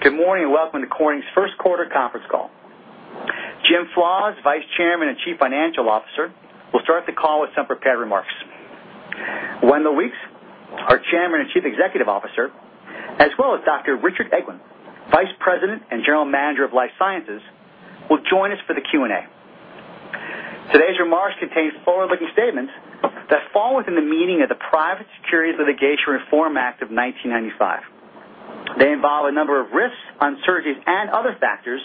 Good morning and welcome to Corning's First Quarter Conference Call. Jim Flaws, Vice Chairman and Chief Financial Officer, will start the call with some prepared remarks. Wendell Weeks, our Chairman and Chief Executive Officer, as well as Dr. Richard Eglen, Vice President and General Manager of Life Sciences, will join us for the Q&A. Today's remarks contain forward-looking statements that fall within the meaning of the Private Securities Litigation Reform Act of 1995. They involve a number of risks, uncertainties, and other factors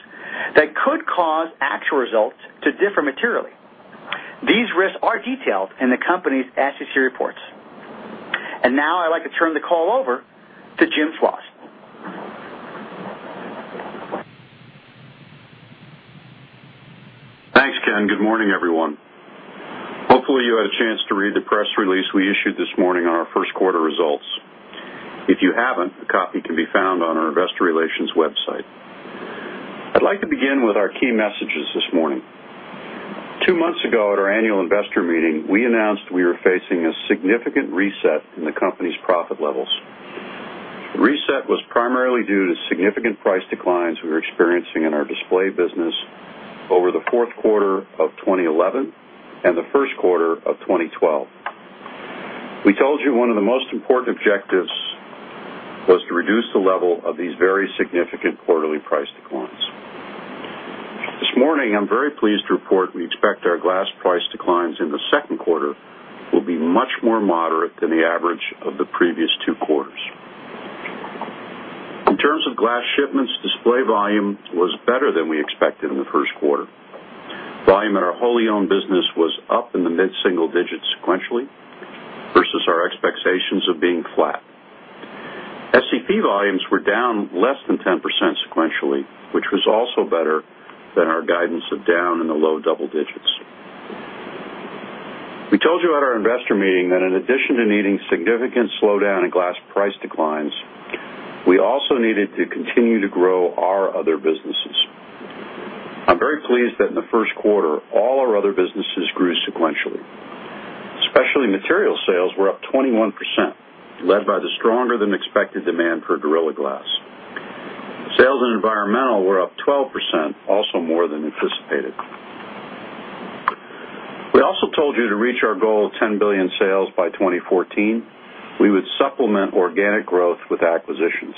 that could cause actual results to differ materially. These risks are detailed in the company's SEC reports. I'd like to turn the call over to Jim Flaws. Thanks, Ken. Good morning, everyone. Hopefully, you had a chance to read the press release we issued this morning on our first quarter results. If you haven't, a copy can be found on our Investor Relations website. I'd like to begin with our key messages this morning. Two months ago, at our annual investor meeting, we announced we were facing a significant reset in the company's profit levels. The reset was primarily due to significant price declines we were experiencing in our display business over the fourth quarter of 2011 and the first quarter of 2012. We told you one of the most important objectives was to reduce the level of these very significant quarterly price declines. This morning, I'm very pleased to report we expect our glass price declines in the second quarter will be much more moderate than the average of the previous two quarters. In terms of glass shipments, display volume was better than we expected in the first quarter. Volume in our wholly owned business was up in the mid-single digits sequentially versus our expectations of being flat. SEP volumes were down less than 10% sequentially, which was also better than our guidance of down in the low double digits. We told you at our investor meeting that in addition to needing significant slowdown in glass price declines, we also needed to continue to grow our other businesses. I'm very pleased that in the first quarter, all our other businesses grew sequentially. Specialty Materials sales were up 21%, led by the stronger-than-expected demand for Gorilla Glass. Sales in Environmental Technologies were up 12%, also more than anticipated. We also told you to reach our goal of $10 billion sales by 2014. We would supplement organic growth with acquisitions.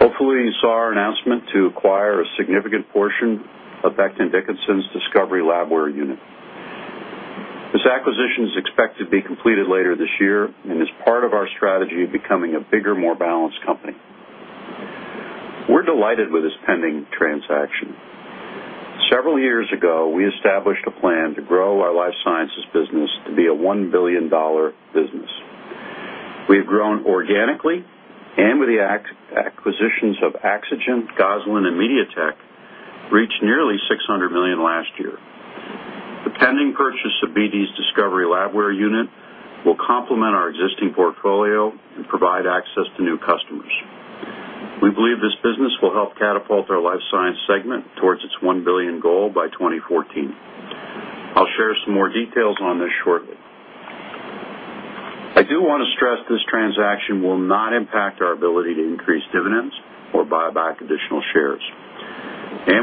Hopefully, you saw our announcement to acquire a significant portion of Becton Dickinson's Discovery Labware unit. This acquisition is expected to be completed later this year and is part of our strategy of becoming a bigger, more balanced company. We're delighted with this pending transaction. Several years ago, we established a plan to grow our Life Sciences business to be a $1 billion business. We have grown organically, and with the acquisitions of Axygen, Gosselin, and Mediatech reached nearly $600 million last year. The pending purchase of BD's Discovery Labware unit will complement our existing portfolio and provide access to new customers. We believe this business will help catapult our Life Sciences segment towards its $1 billion goal by 2014. I'll share some more details on this shortly. I do want to stress this transaction will not impact our ability to increase dividends or buy back additional shares.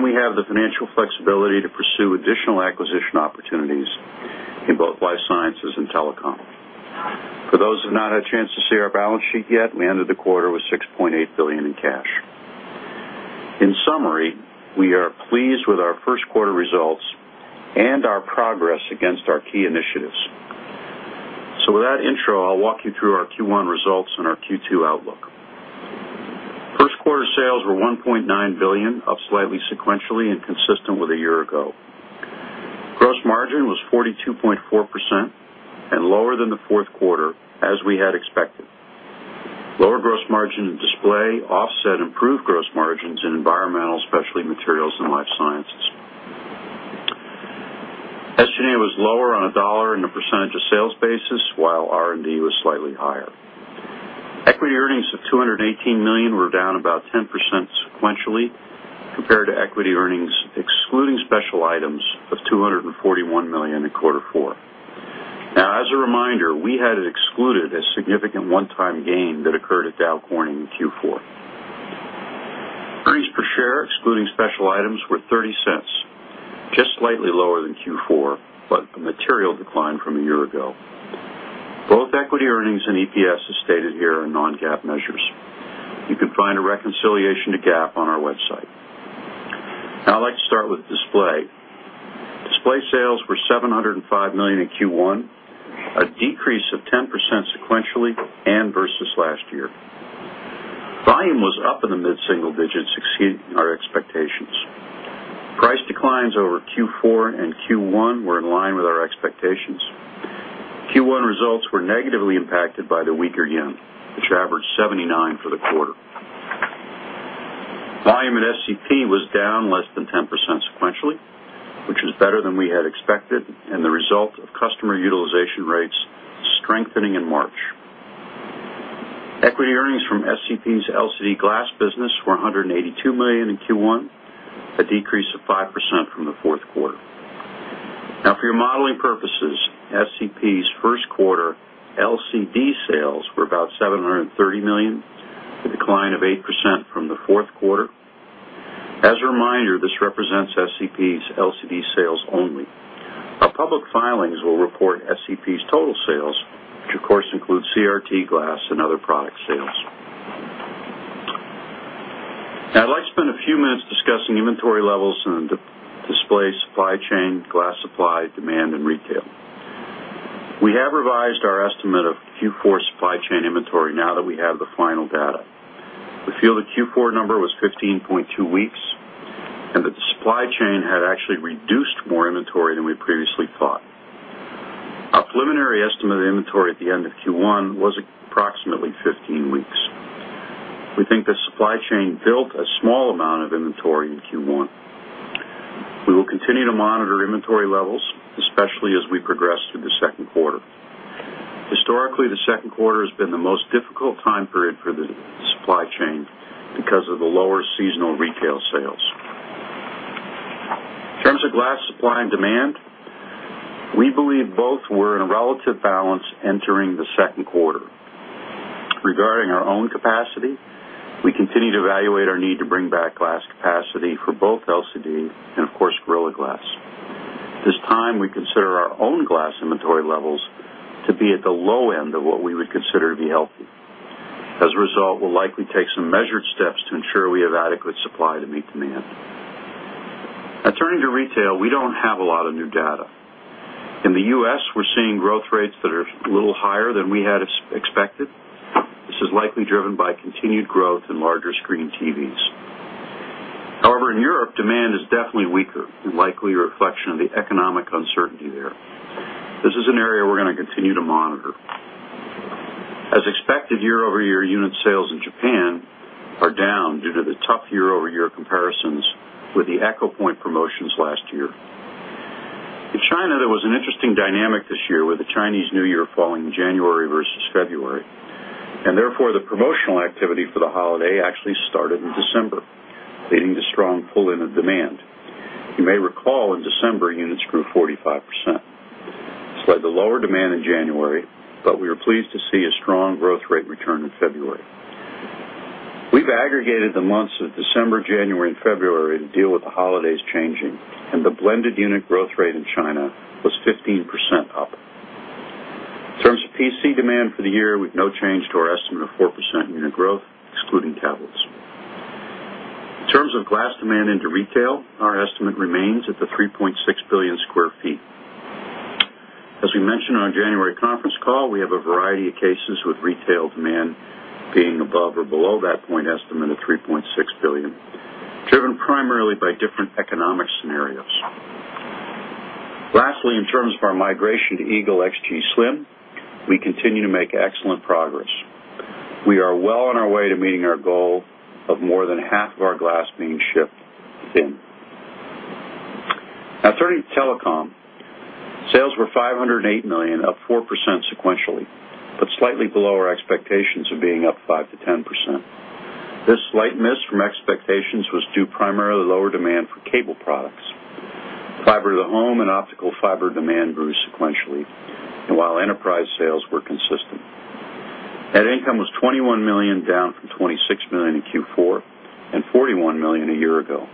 We have the financial flexibility to pursue additional acquisition opportunities in both Life Sciences and Telecom. For those who have not had a chance to see our balance sheet yet, we ended the quarter with $6.8 billion in cash. In summary, we are pleased with our first quarter results and our progress against our key initiatives. With that intro, I'll walk you through our Q1 results and our Q2 outlook. First quarter sales were $1.9 billion, up slightly sequentially and consistent with a year ago. Gross margin was 42.4% and lower than the fourth quarter, as we had expected. Lower gross margin in display offset improved gross margins in Environmental, Specialty Materials, and Life Sciences. SG&A was lower on a dollar and percentage of sales basis, while R&D was slightly higher. Equity earnings of $218 million were down about 10% sequentially compared to equity earnings, excluding special items, of $241 million in quarter four. As a reminder, we had excluded a significant one-time gain that occurred at Dow Corning in Q4. Earnings per share, excluding special items, were $0.30, just slightly lower than Q4, but a material decline from a year ago. Both equity earnings and EPS, as stated here, are non-GAAP measures. You can find a reconciliation to GAAP on our website. Now I'd like to start with display. Display sales were $705 million in Q1, a decrease of 10% sequentially and versus last year. Volume was up in the mid-single digits, exceeding our expectations. Price declines over Q4 and Q1 were in line with our expectations. Q1 results were negatively impacted by the weaker yen, which averaged 79 for the quarter. Volume in SEP was down less than 10% sequentially, which was better than we had expected, and the result of customer utilization rates strengthening in March. Equity earnings from SEP's LCD glass business were $182 million in Q1, a decrease of 5% from the fourth quarter. For your modeling purposes, SEP's first quarter LCD sales were about $730 million, a decline of 8% from the fourth quarter. As a reminder, this represents SEP's LCD sales only. Public filings will report SEP's total sales, which of course include CRT glass and other product sales. Now, I'd like to spend a few minutes discussing inventory levels and display supply chain, glass supply, demand, and retail. We have revised our estimate of Q4 supply chain inventory now that we have the final data. We feel the Q4 number was 15.2 weeks, and the supply chain had actually reduced more inventory than we previously thought. Our preliminary estimate of inventory at the end of Q1 was approximately 15 weeks. We think the supply chain built a small amount of inventory in Q1. We will continue to monitor inventory levels, especially as we progress through the second quarter. Historically, the second quarter has been the most difficult time period for the supply chain because of the lower seasonal retail sales. In terms of glass supply and demand, we believe both were in a relative balance entering the second quarter. Regarding our own capacity, we continue to evaluate our need to bring back glass capacity for both LCD and, of course, Gorilla Glass. This time, we consider our own glass inventory levels to be at the low end of what we would consider to be healthy. As a result, we'll likely take some measured steps to ensure we have adequate supply to meet demand. Now, turning to retail, we don't have a lot of new data. In the U.S., we're seeing growth rates that are a little higher than we had expected. This is likely driven by continued growth in larger screen TVs. However, in Europe, demand is definitely weaker, a likely reflection of the economic uncertainty there. This is an area we're going to continue to monitor. As expected, year-over-year unit sales in Japan are down due to the tough year-over-year comparisons with the Echo Point promotions last year. In China, there was an interesting dynamic this year with the Chinese New Year falling in January versus February, and therefore the promotional activity for the holiday actually started in December, leading to a strong pull in of demand. You may recall in December, units grew 45%. This led to lower demand in January, but we are pleased to see a strong growth rate return in February. We've aggregated the months of December, January, and February to deal with the holidays changing, and the blended unit growth rate in China was 15% up. In terms of PC demand for the year, we've no change to our estimate of 4% unit growth, excluding tablets. In terms of glass demand into retail, our estimate remains at the 3.6 billion sq ft. As we mentioned on our January conference call, we have a variety of cases with retail demand being above or below that point estimate of $3.6 billion, driven primarily by different economic scenarios. Lastly, in terms of our migration to Eagle XG Slim, we continue to make excellent progress. We are well on our way to meeting our goal of more than half of our glass being shipped thin. Now, turning to Telecom, sales were $508 million, up 4% sequentially, but slightly below our expectations of being up 5%-10%. This slight miss from expectations was due primarily to lower demand for cable products. The fiber-to-the-home and optical fiber demand grew sequentially, and while enterprise sales were consistent. Net income was $21 million, down from $26 million in Q4 and $41 million a year ago.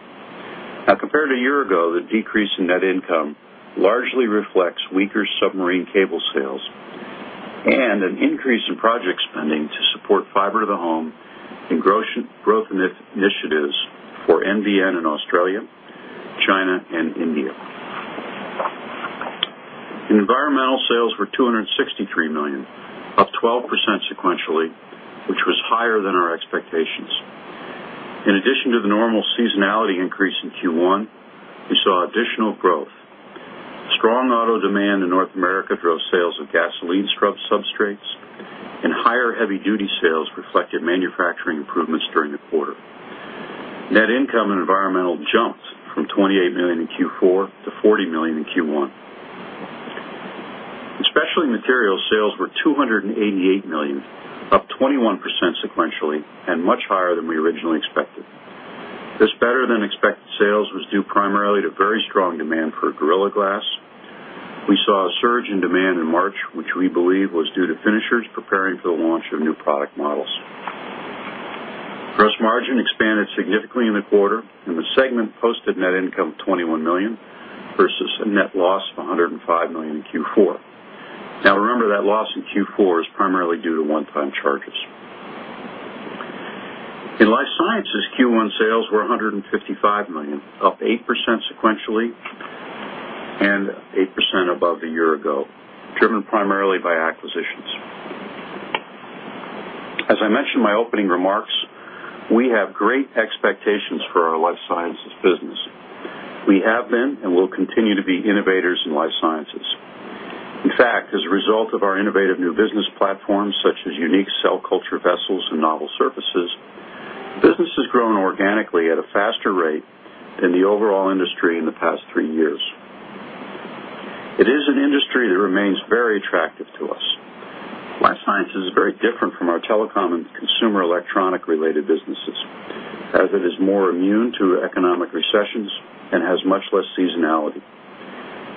Now, compared to a year ago, the decrease in net income largely reflects weaker submarine cable sales and an increase in project spending to support fiber-to-the-home and growth initiatives for NVN in Australia, China, and India. In Environmental sales were $263 million, up 12% sequentially, which was higher than our expectations. In addition to the normal seasonality increase in Q1, we saw additional growth. Strong auto demand in North America drove sales of gasoline scrub substrates, and higher heavy-duty sales reflected manufacturing improvements during the quarter. Net income in Environmental jumped from $28 million in Q4 to $40 million in Q1. Specialty Materials sales were $288 million, up 21% sequentially, and much higher than we originally expected. This better-than-expected sales was due primarily to very strong demand for Gorilla Glass. We saw a surge in demand in March, which we believe was due to finishers preparing for the launch of new product models. Gross margin expanded significantly in the quarter, and the segment posted net income of $21 million versus a net loss of $105 million in Q4. Now, remember that loss in Q4 is primarily due to one-time charges. In Life Sciences, Q1 sales were $155 million, up 8% sequentially and 8% above a year ago, driven primarily by acquisitions. As I mentioned in my opening remarks, we have great expectations for our Life Sciences business. We have been and will continue to be innovators in Life Sciences. In fact, as a result of our innovative new business platforms, such as unique cell culture vessels and novel surfaces, the business has grown organically at a faster rate than the overall industry in the past three years. It is an industry that remains very attractive to us. Life Sciences is very different from our Telecom and consumer electronic-related businesses that are more immune to economic recessions and have much less seasonality.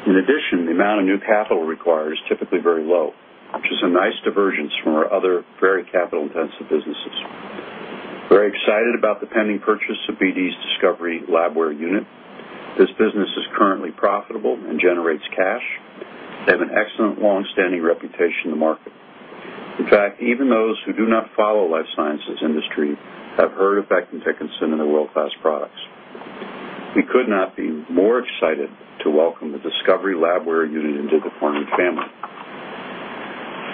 In addition, the amount of new capital required is typically very low, which is a nice divergence from our other very capital-intensive businesses. We're very excited about the pending purchase of BD's Discovery Labware unit. This business is currently profitable and generates cash. They have an excellent longstanding reputation in the market. In fact, even those who do not follow the Life Sciences industry have heard of Becton Dickinson and their world-class products. We could not be more excited to welcome the Discovery Labware unit into the Corning family.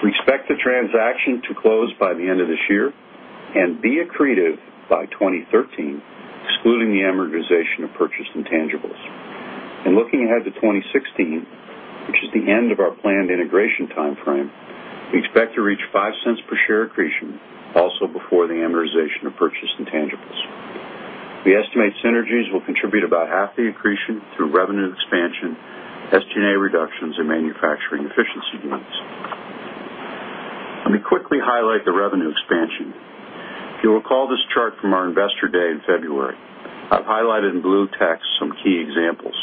We expect the transaction to close by the end of this year and be accretive by 2013, including the amortization of purchased intangibles. Looking ahead to 2016, which is the end of our planned integration timeframe, we expect to reach $0.05 per share accretion, also before the amortization of purchased intangibles. We estimate synergies will contribute about half the accretion through revenue expansion, SG&A reductions, and manufacturing efficiency gains. Let me quickly highlight the revenue expansion. If you'll recall this chart from our investor day in February, I've highlighted in blue text some key examples.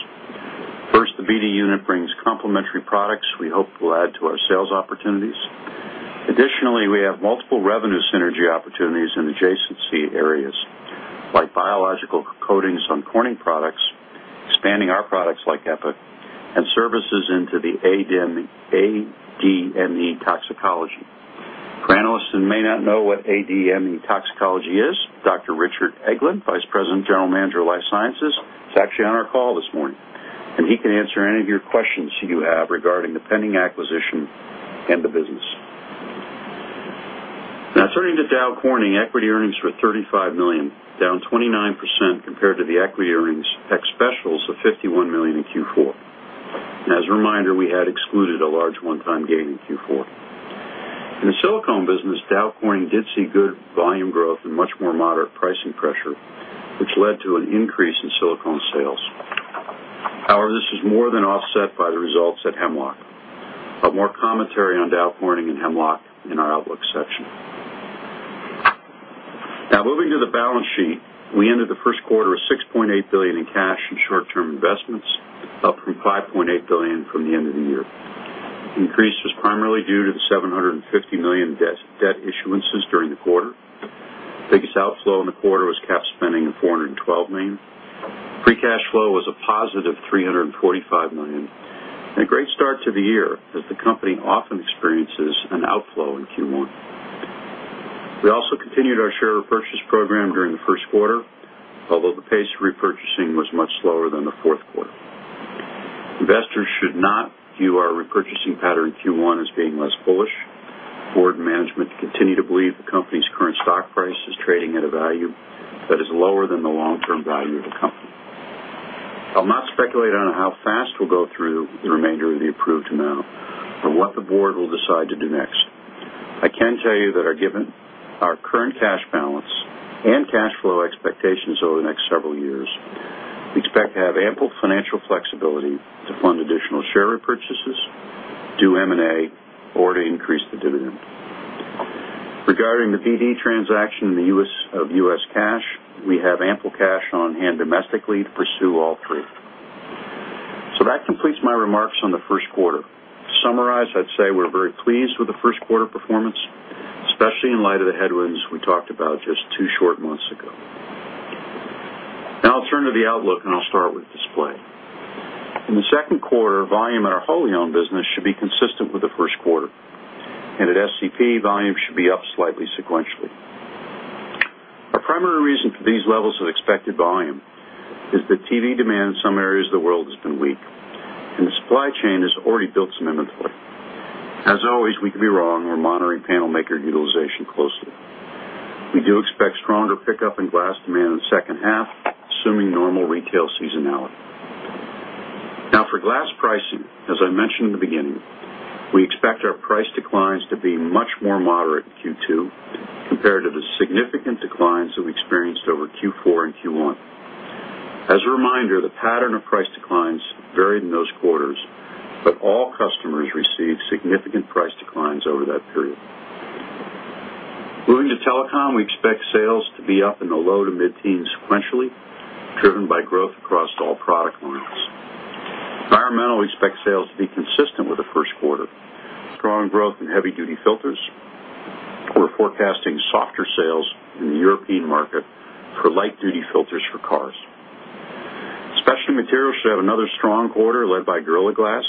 First, the BD unit brings complementary products we hope will add to our sales opportunities. Additionally, we have multiple revenue synergy opportunities in adjacency areas, like biological coatings on Corning products, expanding our products like Epic and services into the ADME toxicology. For analysts who may not know what ADME toxicology is, Dr. Richard Eglen, Vice President and General Manager of Life Sciences, is actually on our call this morning, and he can answer any of your questions you have regarding the pending acquisition and the business. Now, turning to Dow Corning, equity earnings were $35 million, down 29% compared to the equity earnings peak specials of $51 million in Q4. As a reminder, we had excluded a large one-time gain in Q4. In the silicon business, Dow Corning did see good volume growth and much more moderate pricing pressure, which led to an increase in silicon sales. However, this is more than offset by the results at Hemlock. I'll have more commentary on Dow Corning and Hemlock in our Outlook section. Now, moving to the balance sheet, we ended the first quarter with $6.8 billion in cash and short-term investments, up from $5.8 billion from the end of the year. The increase was primarily due to the $750 million debt issuances during the quarter. The biggest outflow in the quarter was cash spending of $412 million. Free cash flow was a positive $345 million. A great start to the year as the company often experiences an outflow in Q1. We also continued our share repurchase program during the first quarter, although the pace of repurchasing was much slower than the fourth quarter. Investors should not view our repurchasing pattern in Q1 as being less bullish. I've forwarded management to continue to believe the company's current stock price is trading at a value that is lower than the long-term value of the company. I'll not speculate on how fast we'll go through the remainder of the approved amount or what the board will decide to do next. I can tell you that given our current cash balance and cash flow expectations over the next several years, we expect to have ample financial flexibility to fund additional share repurchases, do M&A, or to increase the dividend. Regarding the BD transaction of U.S. cash, we have ample cash on hand domestically to pursue all three. That completes my remarks on the first quarter. To summarize, I'd say we're very pleased with the first quarter performance, especially in light of the headwinds we talked about just two short months ago. Now I'll turn to the outlook, and I'll start with display. In the second quarter, volume in our wholly owned business should be consistent with the first quarter, and at SEP, volume should be up slightly sequentially. Our primary reason for these levels of expected volume is that TV demand in some areas of the world has been weak, and the supply chain has already built some inventory. As always, we can be wrong. We're monitoring panel maker utilization closely. We do expect stronger pickup in glass demand in the second half, assuming normal retail seasonality. For glass pricing, as I mentioned in the beginning, we expect our price declines to be much more moderate in Q2 compared to the significant declines that we experienced over Q4 and Q1. As a reminder, the pattern of price declines varied in those quarters, but all customers received significant price declines over that period. Moving to Telecom, we expect sales to be up in the low to mid-teens sequentially, driven by growth across all product lines. Environmental, we expect sales to be consistent with the first quarter, strong growth in heavy-duty filters. We're forecasting softer sales in the European market for light-duty filters for cars. Specialty Materials should have another strong quarter led by Gorilla Glass.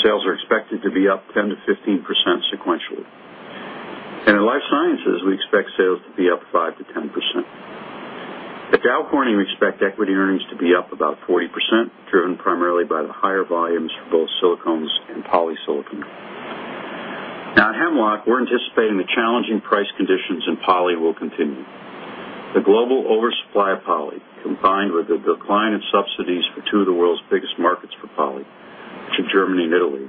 Sales are expected to be up 10%-15% sequentially. In Life Sciences, we expect sales to be up 5%-10%. With Dow Corning, we expect equity earnings to be up about 40%, driven primarily by the higher volumes for both silicons and polysilicon. At Hemlock, we're anticipating the challenging price conditions in poly will continue. The global oversupply of poly, combined with the decline of subsidies for two of the world's biggest markets for poly, which are Germany and Italy,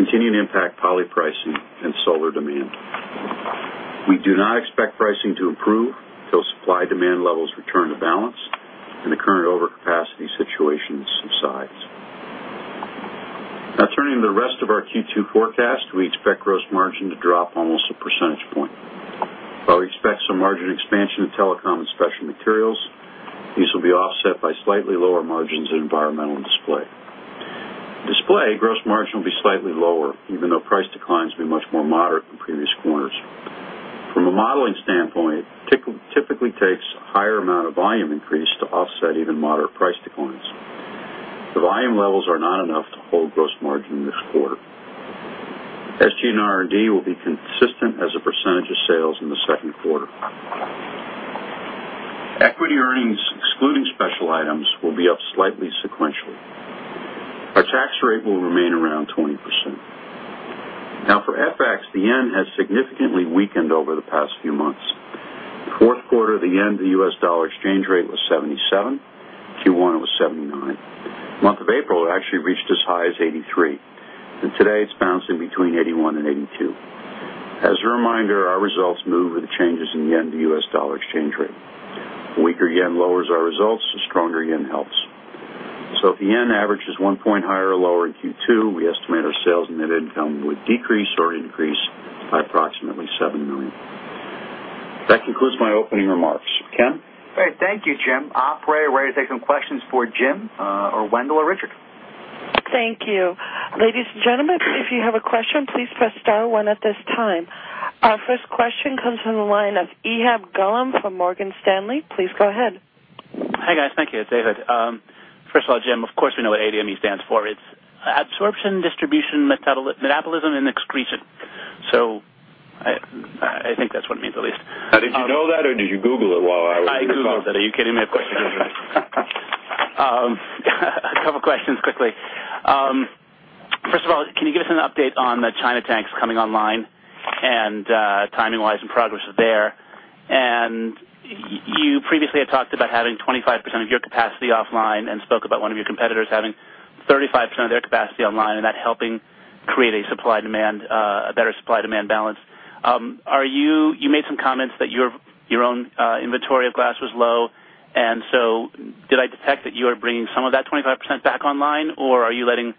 continue to impact poly pricing and solar demand. We do not expect pricing to improve until supply-demand levels return to balance and the current overcapacity situation subsides. Turning to the rest of our Q2 forecast, we expect gross margin to drop almost a percentage point. While we expect some margin expansion in Telecom and Specialty Materials, these will be offset by slightly lower margins in Environmental and Display. Display gross margin will be slightly lower, even though price declines will be much more moderate than previous quarters. From a modeling standpoint, it typically takes a higher amount of volume increase to offset even moderate price declines. The volume levels are not enough to hold gross margin in this quarter. SG&A and R&D will be consistent as a percentage of sales in the second quarter. Equity earnings, excluding special items, will be up slightly sequentially. Our tax rate will remain around 20%. For FX, the yen has significantly weakened over the past few months. The fourth quarter, the yen to the U.S. dollar exchange rate was 77. Q1, it was 79. The month of April, it actually reached as high as 83, and today it's bouncing between 81 and 82. As a reminder, our results move with the changes in the yen to the U.S. dollar exchange rate. A weaker yen lowers our results, a stronger yen helps. If the yen averages one point higher or lower in Q2, we estimate our sales and net income would decrease or increase by approximately $7 million. That concludes my opening remarks. Ken? Great. Thank you, Jim. I pray we're ready to take some questions for Jim or Wendell or Richard. Thank you. Ladies and gentlemen, if you have a question, please press star, one at this time. Our first question comes from the line of Ehab Gulam from Morgan Stanley. Please go ahead. Hey, guys. Thank you. It's Ehab. First of all, Jim, of course, we know what ADME stands for. It's Absorption, Distribution, Metabolism, and Excretion. I think that's what it means at least. Did you know that or did you Google it while I was talking? I Googled it. Are you kidding me? Of course, I Googled it. A couple of questions quickly. First of all, can you give us an update on the China tanks coming online and timing-wise and progress of there? You previously had talked about having 25% of your capacity offline and spoke about one of your competitors having 35% of their capacity online and that helping create a better supply-demand balance. You made some comments that your own inventory of glass was low. Did I detect that you are bringing some of that 25% back online, or are you letting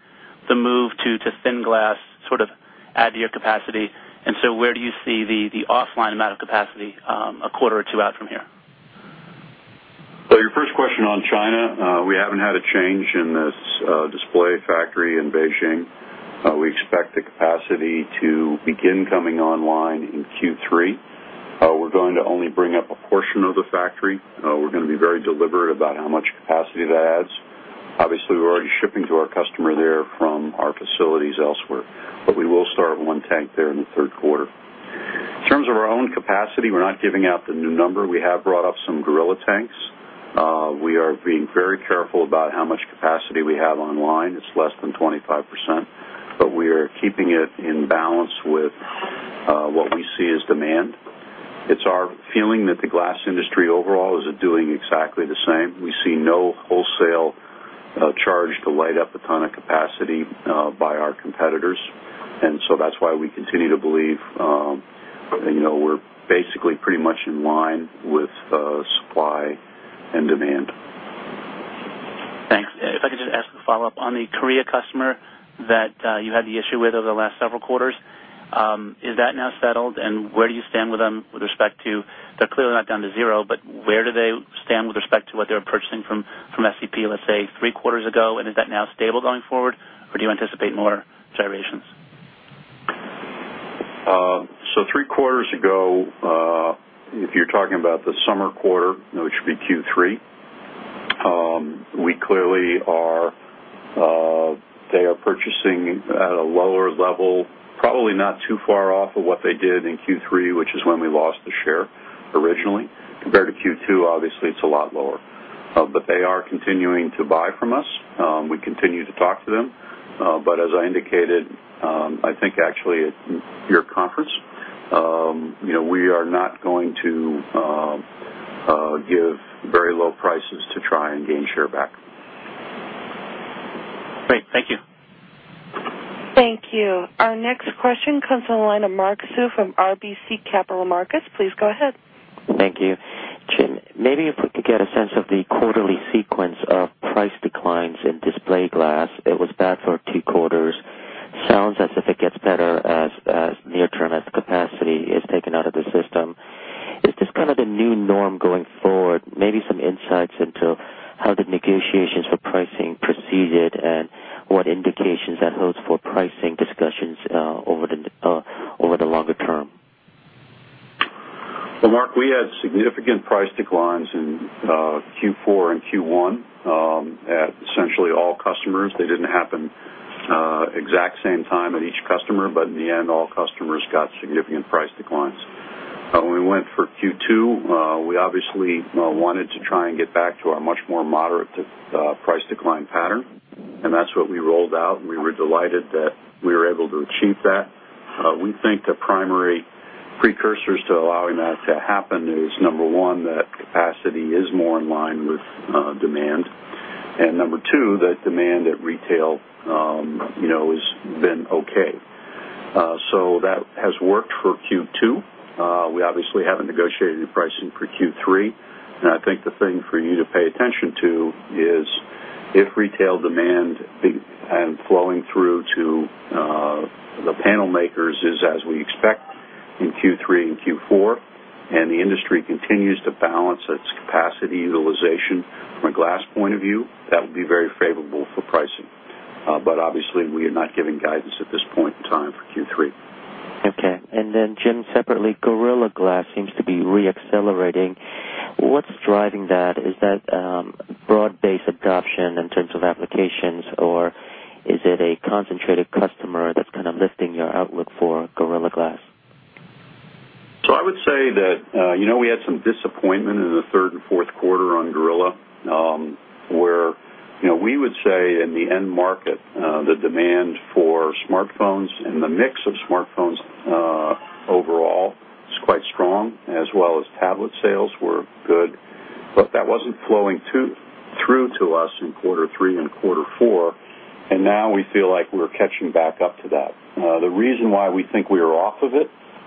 the move to thin glass sort of add to your capacity? Where do you see the offline amount of capacity a quarter or two out from here? On your first question on China, we haven't had a change in this display factory in Beijing. We expect the capacity to begin coming online in Q3. We're going to only bring up a portion of the factory. We're going to be very deliberate about how much capacity that adds. Obviously, we're already shipping to our customer there from our facilities elsewhere. We will start one tank there in the third quarter. In terms of our own capacity, we're not giving out the new number. We have brought up some Gorilla Glass tanks. We are being very careful about how much capacity we have online. It's less than 25%, but we are keeping it in balance with what we see as demand. It's our feeling that the glass industry overall is doing exactly the same. We see no wholesale charge to light up a ton of capacity by our competitors. That's why we continue to believe we're basically pretty much in line with supply and demand. Thanks. If I could just ask a follow-up on the Korea customer that you had the issue with over the last several quarters. Is that now settled? Where do you stand with them with respect to they're clearly not down to zero, but where do they stand with respect to what they were purchasing from SEP, let's say, three quarters ago? Is that now stable going forward, or do you anticipate more variations? Three quarters ago, if you're talking about the summer quarter, it should be Q3. They are purchasing at a lower level, probably not too far off of what they did in Q3, which is when we lost the share originally. Compared to Q2, it's a lot lower. They are continuing to buy from us. We continue to talk to them. As I indicated, I think actually at your conference, we are not going to give very low prices to try and gain share back. Great. Thank you. Thank you. Our next question comes from the line of Mark Suh from RBC Capital Markets. Please go ahead. Thank you. Jim, maybe if we could get a sense of the quarterly sequence of price declines in display glass. It was bad for two quarters. It sounds as if it gets better as near-term capacity is taken out of the system. Is this kind of the new norm going forward? Maybe some insights into how the negotiations for pricing proceeded and what indications that holds for pricing discussions over the longer term. Mark, we had significant price declines in Q4 and Q1 at essentially all customers. They didn't happen at the exact same time at each customer, but in the end, all customers got significant price declines. When we went for Q2, we obviously wanted to try and get back to a much more moderate price decline pattern. That's what we rolled out. We were delighted that we were able to achieve that. We think the primary precursors to allowing that to happen are, number one, that capacity is more in line with demand, and number two, that demand at retail has been okay. That has worked for Q2. We obviously haven't negotiated any pricing for Q3. The thing for you to pay attention to is if retail demand and flowing through to the panel makers is as we expect in Q3 and Q4, and the industry continues to balance its capacity utilization from a glass point of view, that would be very favorable for pricing. Obviously, we are not giving guidance at this point in time for Q3. Okay. Jim, separately, Gorilla Glass seems to be re-accelerating. What's driving that? Is that broad-based adoption in terms of applications, or is it a concentrated customer that's kind of lifting your outlook for Gorilla Glass? I would say that we had some disappointment in the third and fourth quarter on Gorilla Glass, where we would say in the end market, the demand for smartphones and the mix of smartphones overall is quite strong, as well as tablet sales were good. That wasn't flowing through to us in quarter three and quarter four. Now we feel like we're catching back up to that. The reason why we think we are off of it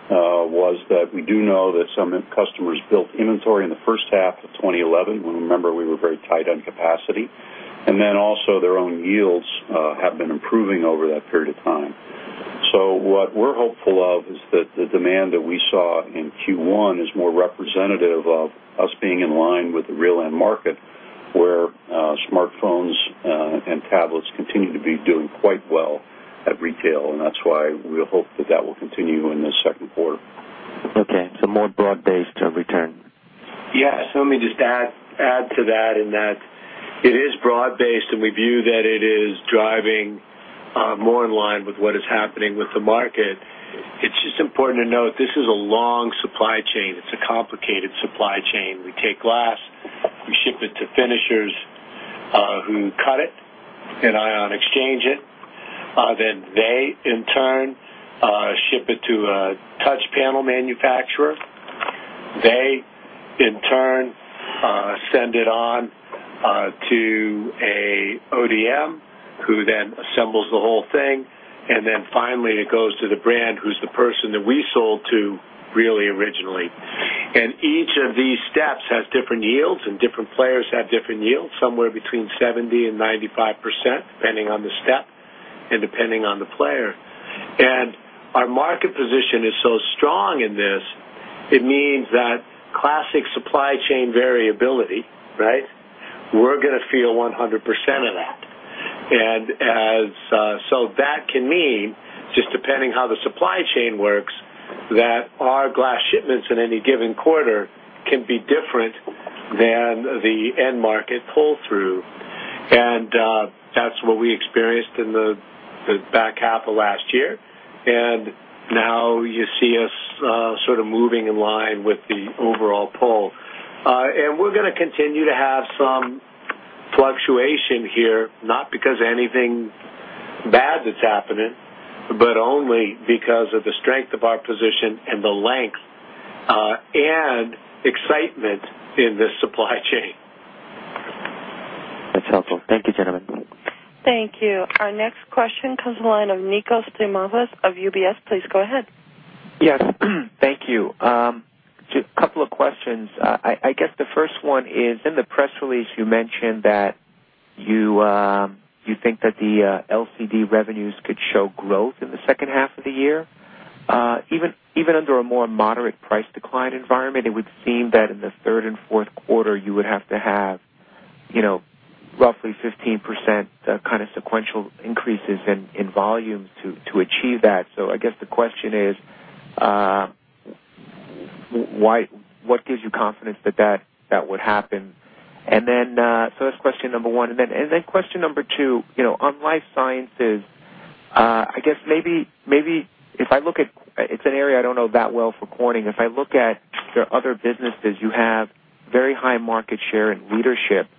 was that we do know that some customers built inventory in the first half of 2011. We remember we were very tight on capacity. Also, their own yields have been improving over that period of time. What we're hopeful of is that the demand that we saw in Q1 is more representative of us being in line with the real end market, where smartphones and tablets continue to be doing quite well at retail. That's why we hope that will continue in this second quarter. Okay. More broad-based return. Yeah. Let me just add to that in that it is broad-based, and we view that it is driving more in line with what is happening with the market. It's just important to note this is a long supply chain. It's a complicated supply chain. We take glass, we ship it to finishers, who cut it, then ion exchange it. They, in turn, ship it to a touch panel manufacturer. They, in turn, send it on to an ODM, who then assembles the whole thing. Finally, it goes to the brand, who's the person that we sold to really originally. Each of these steps has different yields, and different players have different yields, somewhere between 70% and 95%, depending on the step and depending on the player. Our market position is so strong in this, it means that classic supply chain variability, right? We're going to feel 100% of that. That can mean, just depending on how the supply chain works, that our glass shipments in any given quarter can be different than the end market pull-through. That's what we experienced in the back half of last year. Now you see us sort of moving in line with the overall pull. We're going to continue to have some fluctuation here, not because of anything bad that's happening, but only because of the strength of our position and the length and excitement in this supply chain. That's helpful. Thank you, gentlemen. Thank you. Our next question comes from the line of Nikos Dimopoulos of UBS. Please go ahead. Yes. Thank you. A couple of questions. The first one is, in the press release, you mentioned that you think that the LCD revenues could show growth in the second half of the year. Even under a more moderate price decline environment, it would seem that in the third and fourth quarter, you would have to have roughly 15% kind of sequential increases in volumes to achieve that. What gives you confidence that that would happen? That's question number one. On Life Sciences, maybe if I look at it, it's an area I don't know that well for Corning. If I look at their other businesses, you have very high market share and leadership.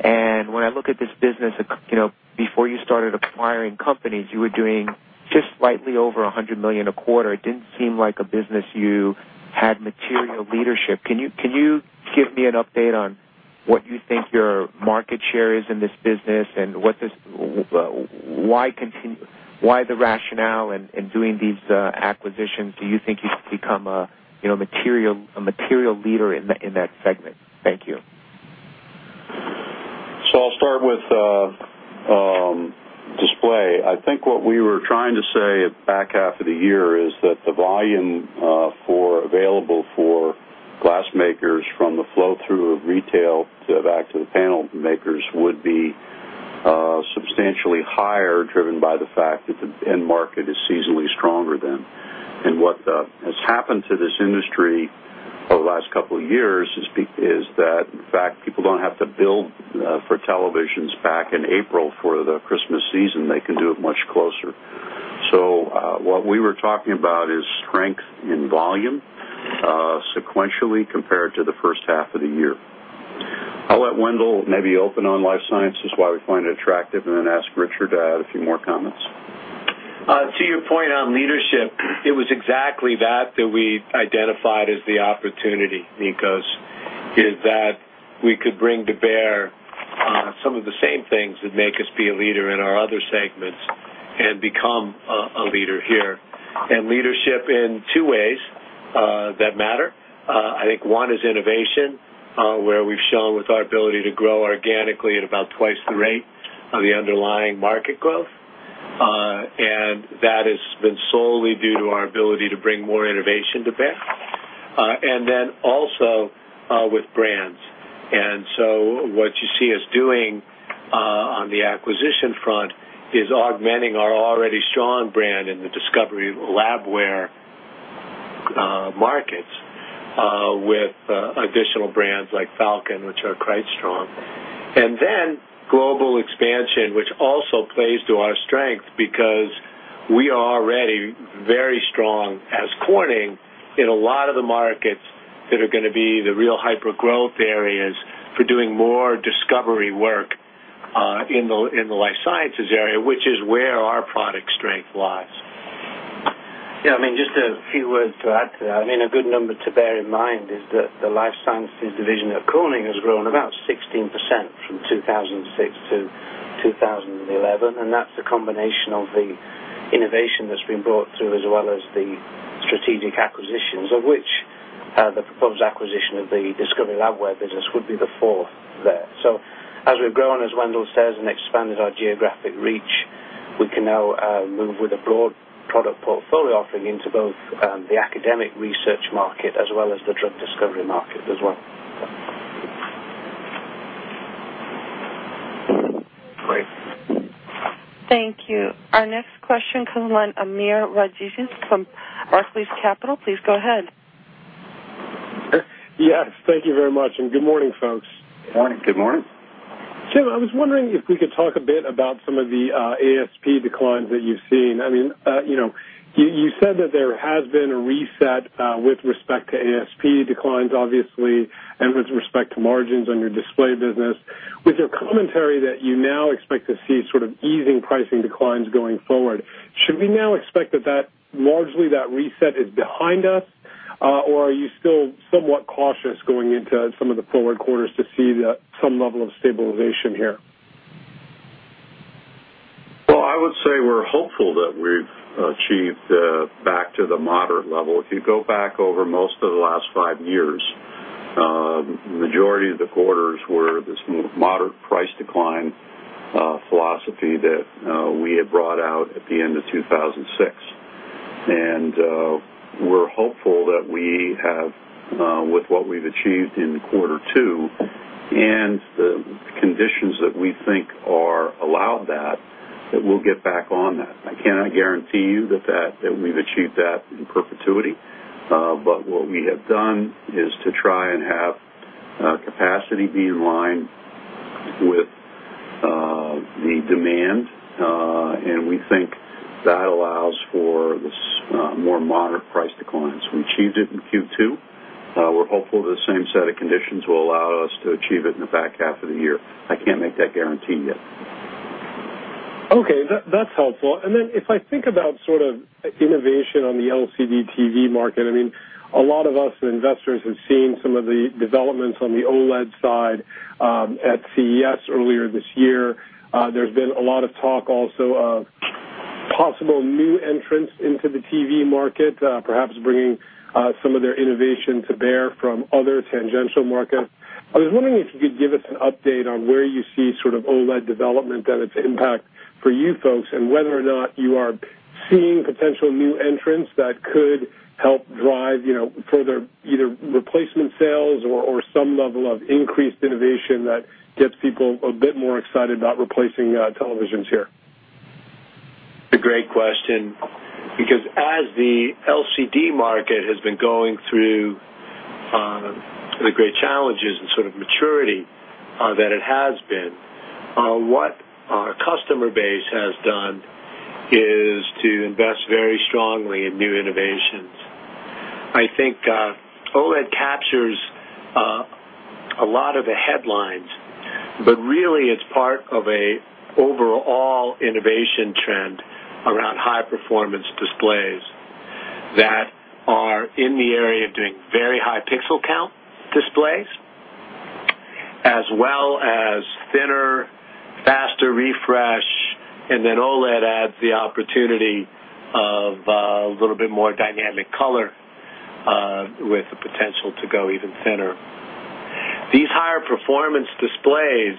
When I look at this business, before you started acquiring companies, you were doing just slightly over $100 million a quarter. It didn't seem like a business you had material leadership. Can you give me an update on what you think your market share is in this business and why the rationale in doing these acquisitions? Do you think you should become a material leader in that segment? Thank you. I'll start with display. I think what we were trying to say at the back half of the year is that the volume available for glass makers from the flow-through of retail back to the panel makers would be substantially higher, driven by the fact that the end market is seasonally stronger then. What has happened to this industry over the last couple of years is that, in fact, people don't have to build for televisions back in April for the Christmas season. They can do it much closer. What we were talking about is strength in volume sequentially compared to the first half of the year. I'll let Wendell maybe open on Life Sciences, why we find it attractive, and then ask Richard to add a few more comments. To your point on leadership, it was exactly that that we identified as the opportunity, Nikos, is that we could bring to bear some of the same things that make us be a leader in our other segments and become a leader here. Leadership in two ways that matter. I think one is innovation, where we've shown with our ability to grow organically at about twice the rate of the underlying market growth. That has been solely due to our ability to bring more innovation to bear. Also with brands. What you see us doing on the acquisition front is augmenting our already strong brand in the Discovery Labware markets with additional brands like Falcon, which are quite strong. Global expansion also plays to our strength because we are already very strong as Corning in a lot of the markets that are going to be the real hypergrowth areas for doing more discovery work in the Life Sciences area, which is where our product strength lies. Yeah. I mean, just a few words to add to that. I mean, a good number to bear in mind is that the Life Sciences division at Corning has grown about 16% from 2006 to 2011. That's the combination of the innovation that's been brought through, as well as the strategic acquisitions, of which the proposed acquisition of the Discovery Labware business would be the fourth there. As we've grown, as Wendell says, and expanded our geographic reach, we can now move with a broad product portfolio offering into both the academic research market as well as the drug discovery market as well. Thank you. Our next question comes from the line of Amir Razi from Northleaf Capital. Please go ahead. Yes, thank you very much. Good morning, folks. All right. Good morning. Jim, I was wondering if we could talk a bit about some of the ASP declines that you've seen. You said that there has been a reset with respect to ASP declines, obviously, and with respect to margins on your display business. With your commentary that you now expect to see sort of easing pricing declines going forward, should we now expect that largely that reset is behind us, or are you still somewhat cautious going into some of the forward quarters to see some level of stabilization here? I would say we're hopeful that we've achieved back to the moderate level. If you go back over most of the last five years, the majority of the quarters were this moderate price decline philosophy that we had brought out at the end of 2006. We're hopeful that we have, with what we've achieved in quarter two and the conditions that we think allow that, that we'll get back on that. I cannot guarantee you that we've achieved that in perpetuity. What we have done is to try and have capacity be in line with the demand. We think that allows for this more moderate price decline. We achieved it in Q2. We're hopeful that the same set of conditions will allow us to achieve it in the back half of the year. I can't make that guarantee yet. Okay. That's helpful. If I think about sort of innovation on the LCD TV market, a lot of us and investors have seen some of the developments on the OLED side at CES earlier this year. There's been a lot of talk also of possible new entrants into the TV market, perhaps bringing some of their innovation to bear from other tangential markets. I was wondering if you could give us an update on where you see sort of OLED development and its impact for you folks and whether or not you are seeing potential new entrants that could help drive further either replacement sales or some level of increased innovation that gets people a bit more excited about replacing televisions here. It's a great question because as the LCD market has been going through the great challenges and sort of maturity that it has been, what our customer base has done is to invest very strongly in new innovations. I think OLED captures a lot of the headlines, but really, it's part of an overall innovation trend around high-performance displays that are in the area of doing very high pixel count displays as well as thinner, faster refresh. OLED adds the opportunity of a little bit more dynamic color with the potential to go even thinner. These higher performance displays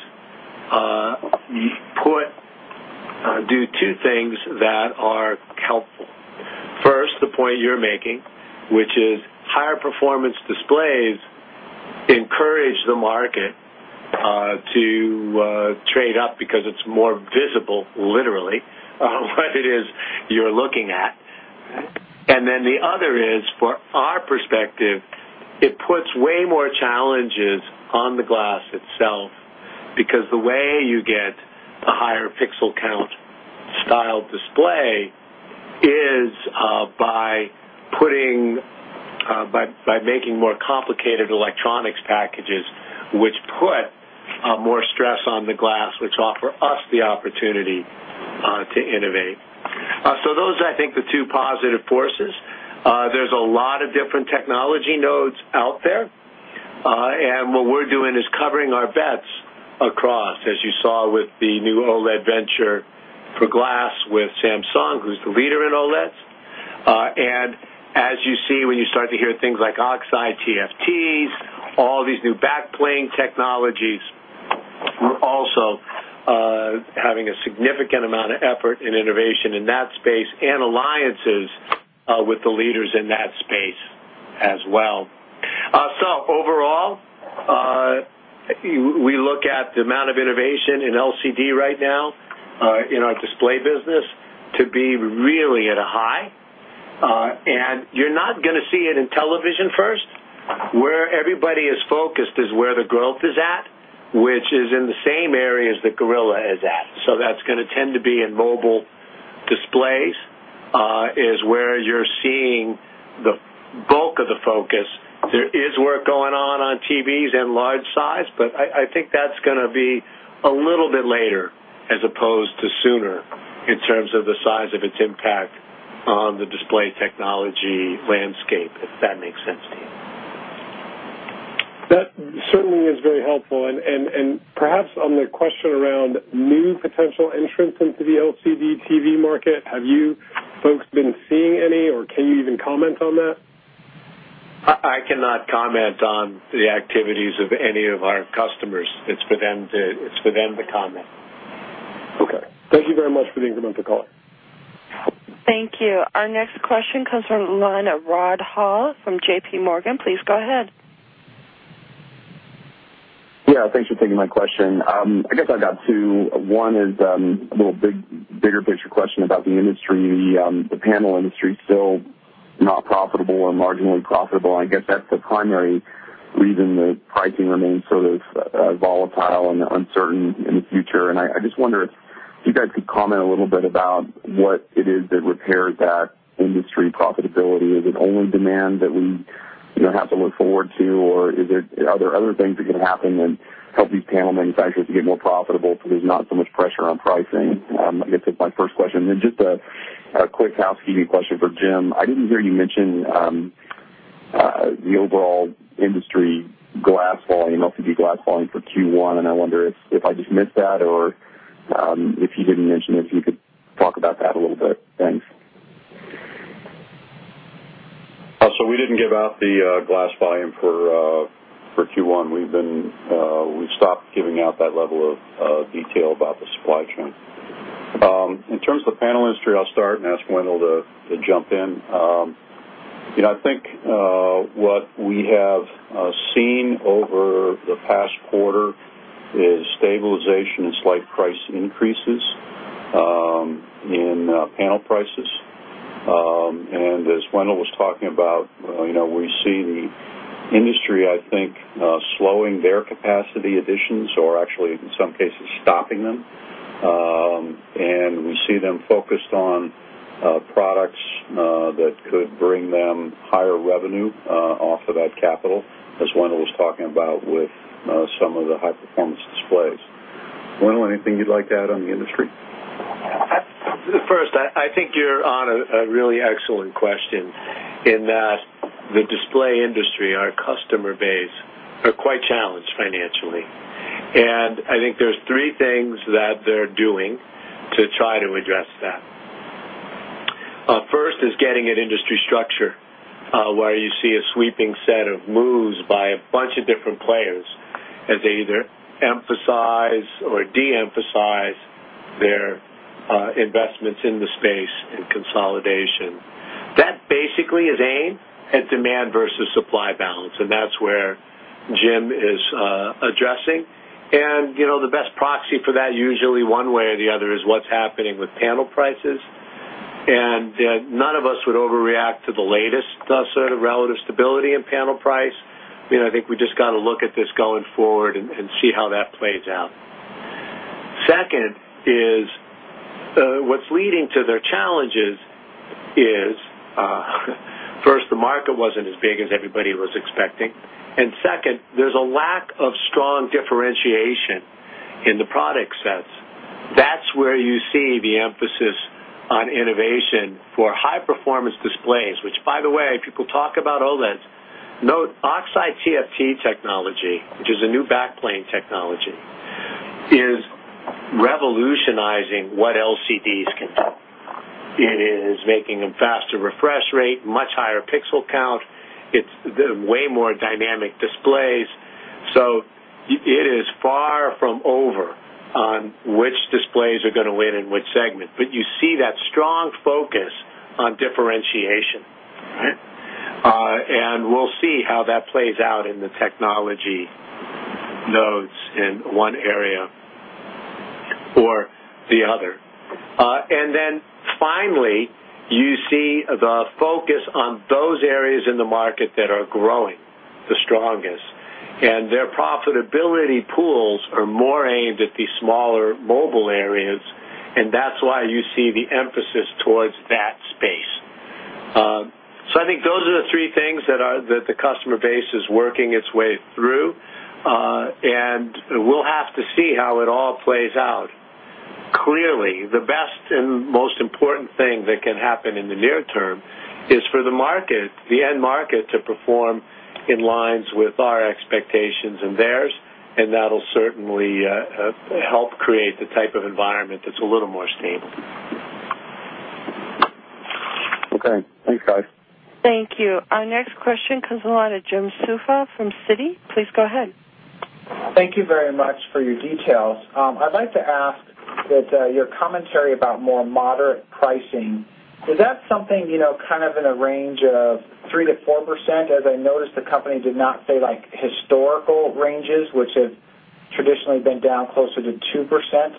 do two things that are helpful. First, the point you're making, which is higher performance displays encourage the market to trade up because it's more visible, literally, on what it is you're looking at. The other is, from our perspective, it puts way more challenges on the glass itself because the way you get a higher pixel count style display is by making more complicated electronics packages, which put more stress on the glass, which offer us the opportunity to innovate. Those are, I think, the two positive forces. There's a lot of different technology nodes out there. What we're doing is covering our bets across, as you saw with the new OLED venture for glass with Samsung, who's the leader in OLEDs. As you see, when you start to hear things like Oxide TFTs, all these new backplane technologies, we're also having a significant amount of effort and innovation in that space and alliances with the leaders in that space as well. Overall, we look at the amount of innovation in LCD right now in our display business to be really at a high. You're not going to see it in television first. Where everybody is focused is where the growth is at, which is in the same area as the Gorilla is at. That's going to tend to be in mobile displays is where you're seeing the bulk of the focus. There is work going on on TVs and large size, but I think that's going to be a little bit later as opposed to sooner in terms of the size of its impact on the display technology landscape, if that makes sense to you. That certainly is very helpful. Perhaps on the question around new potential entrants into the LCD TV market, have you folks been seeing any, or can you even comment on that? I cannot comment on the activities of any of our customers. It's for them to comment. Okay, thank you very much for the incremental calling. Thank you. Our next question comes from the line of Rod Hall from JPMorgan. Please go ahead. Yeah. Thanks for taking my question. I guess I've got two. One is a little bigger picture question about the industry. The panel industry is still not profitable and marginally profitable. I guess that's the primary reason that pricing remains so volatile and uncertain in the future. I just wonder if you guys could comment a little bit about what it is that repairs that industry profitability. Is it only demand that we have to look forward to, or are there other things that can happen that help these panel manufacturers to get more profitable so there's not so much pressure on pricing? I guess that's my first question. Just a quick housekeeping question for Jim. I didn't hear you mention the overall industry glass volume, LCD glass volume for Q1. I wonder if I just missed that or if you didn't mention it, if you could talk about that a little bit. We didn't give out the glass volume for Q1. We've stopped giving out that level of detail about the supply chain. In terms of the panel industry, I'll start and ask Wendell to jump in. I think what we have seen over the past quarter is stabilization and slight price increases in panel prices. As Wendell was talking about, we see the industry, I think, slowing their capacity additions or actually, in some cases, stopping them. We see them focused on products that could bring them higher revenue off the bad capital, as Wendell was talking about with some of the high-performance displays. Wendell, anything you'd like to add on the industry? First, I think you're on a really excellent question in that the display industry, our customer base, are quite challenged financially. I think there's three things that they're doing to try to address that. First is getting an industry structure where you see a sweeping set of moves by a bunch of different players as they either emphasize or de-emphasize their investments in the space and consolidation. That basically is aimed at demand versus supply balance. That's where Jim is addressing. You know, the best proxy for that, usually one way or the other, is what's happening with panel prices. None of us would overreact to the latest sort of relative stability in panel price. I think we just got to look at this going forward and see how that plays out. Second is what's leading to their challenges is, first, the market wasn't as big as everybody was expecting. Second, there's a lack of strong differentiation in the product sets. That's where you see the emphasis on innovation for high-performance displays, which, by the way, people talk about OLEDs. Note Oxide TFT technology, which is a new backplane technology, is revolutionizing what LCDs can do. It is making a faster refresh rate, much higher pixel count. It's way more dynamic displays. It is far from over on which displays are going to win in which segment. You see that strong focus on differentiation. We'll see how that plays out in the technology nodes in one area for the other. Finally, you see the focus on those areas in the market that are growing the strongest. Their profitability pools are more aimed at the smaller mobile areas. That's why you see the emphasis towards that space. I think those are the three things that the customer base is working its way through. We'll have to see how it all plays out. Clearly, the best and most important thing that can happen in the near term is for the market, the end market, to perform in lines with our expectations and theirs. That'll certainly help create the type of environment that's a little more stable. Okay, thanks, guys. Thank you. Our next question comes from the line of Jim Suva from Citi. Please go ahead. Thank you very much for your details. I'd like to ask that your commentary about more moderate pricing. Is that something kind of in a range of 3%-4%? As I noticed, the company did not say like historical ranges, which have traditionally been down closer to 2%.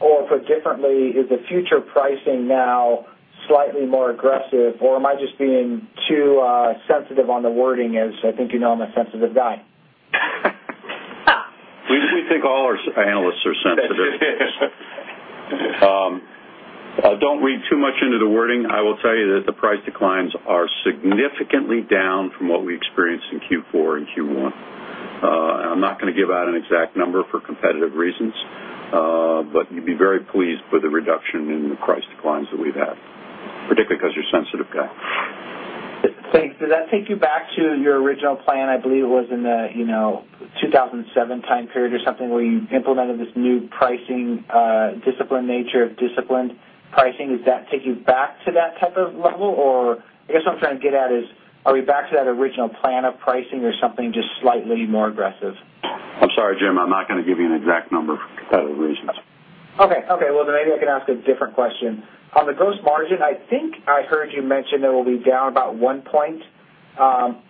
Or put differently, is the future pricing now slightly more aggressive, or am I just being too sensitive on the wording? As I think you know I'm a sensitive guy. We think all our analysts are sensitive. Don't read too much into the wording. I will tell you that the price declines are significantly down from what we experienced in Q4 and Q1. I'm not going to give out an exact number for competitive reasons, but you'd be very pleased with the reduction in the price declines that we've had, particularly because you're a sensitive guy. Thanks. Does that take you back to your original plan? I believe it was in the 2007 time period or something where you implemented this new pricing discipline, nature of disciplined pricing. Does that take you back to that type of level? What I'm trying to get at is, are we back to that original plan of pricing or something just slightly more aggressive? I'm sorry, Jim. I'm not going to give you an exact number for competitive reasons. Okay. Maybe I can ask a different question. On the gross margin, I think I heard you mention it will be down about one point.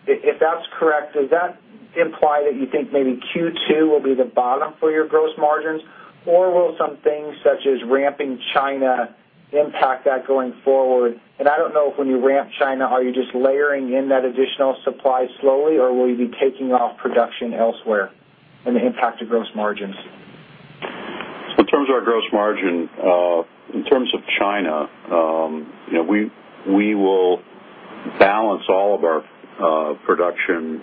If that's correct, does that imply that you think maybe Q2 will be the bottom for your gross margins? Will some things such as ramping China impact that going forward? I don't know if when you ramp China, are you just layering in that additional supply slowly, or will you be taking off production elsewhere and impact your gross margins? In terms of our gross margin, in terms of China, we will balance all of our production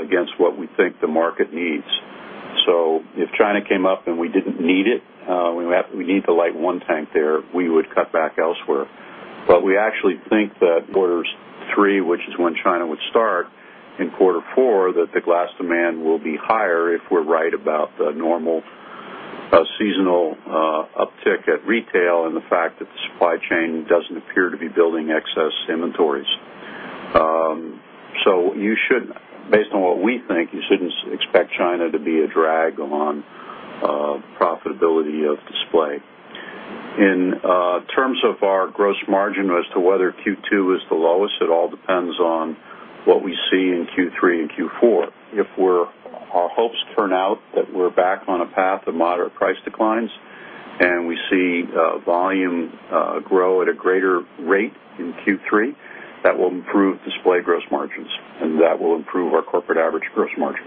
against what we think the market needs. If China came up and we didn't need it, we need the light one tank there, we would cut back elsewhere. We actually think that quarters three, which is when China would start, in quarter four, that the glass demand will be higher if we're right about the normal seasonal uptick at retail and the fact that the supply chain doesn't appear to be building excess inventories. You shouldn't, based on what we think, expect China to be a drag on the profitability of display. In terms of our gross margin as to whether Q2 is the lowest, it all depends on what we see in Q3 and Q4. If our hopes turn out that we're back on a path of moderate price declines and we see volume grow at a greater rate in Q3, that will improve display gross margins, and that will improve our corporate average gross margin.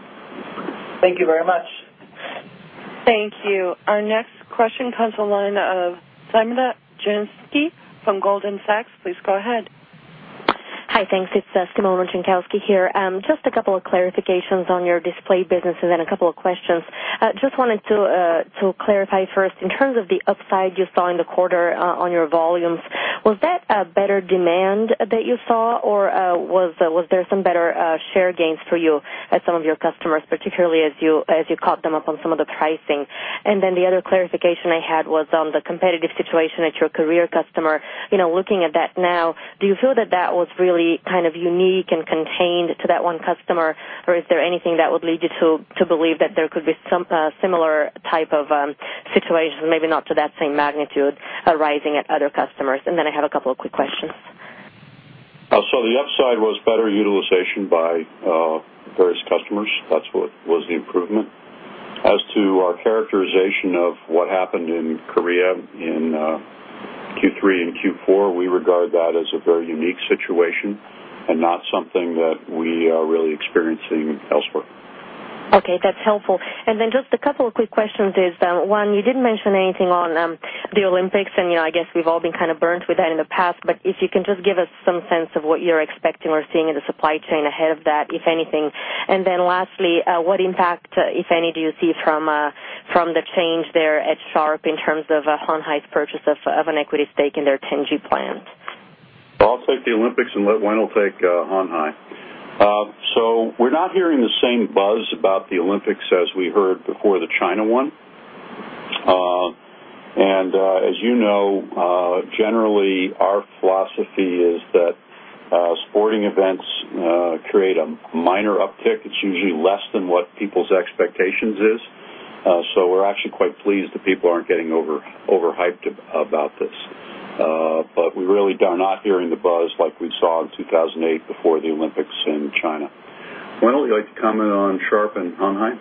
Thank you very much. Thank you. Our next question comes from the line of Samik Chatterjee from JPMorgan. Please go ahead. Hi. Thanks. It's Simona Jankowski here. Just a couple of clarifications on your display business and then a couple of questions. I just wanted to clarify first, in terms of the upside you saw in the quarter on your volumes, was that a better demand that you saw, or was there some better share gains for you at some of your customers, particularly as you caught them up on some of the pricing? The other clarification I had was on the competitive situation at your Korea customer. Looking at that now, do you feel that that was really kind of unique and contained to that one customer, or is there anything that would lead you to believe that there could be some similar type of situation, maybe not to that same magnitude, arising at other customers? I have a couple of quick questions. The upside was better utilization by various customers. That's what was the improvement. As to our characterization of what happened in Korea in Q3 and Q4, we regard that as a very unique situation and not something that we are really experiencing elsewhere. Okay. That's helpful. Just a couple of quick questions. One, you didn't mention anything on the Olympics, and I guess we've all been kind of burnt with that in the past. If you can just give us some sense of what you're expecting or seeing in the supply chain ahead of that, if anything. Lastly, what impact, if any, do you see from the change there at Sharp in terms of Hon Hai's purchase of an equity stake in their Tenji plant? I'll take the Olympics and let Wendell take Hon Hai. We're not hearing the same buzz about the Olympics as we heard before the China one. As you know, generally, our philosophy is that sporting events create a minor uptick. It's usually less than what people's expectations are. We're actually quite pleased that people aren't getting overhyped about this. We really are not hearing the buzz like we saw in 2008 before the Olympics in China. Wendell, you'd like to comment on Sharp and Hon Hai?